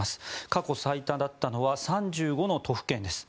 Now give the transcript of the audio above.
過去最多だったのは３５の都府県です。